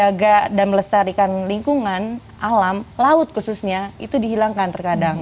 jadi tradisi yang untuk menjaga dan melestarikan lingkungan alam laut khususnya itu dihilangkan terkadang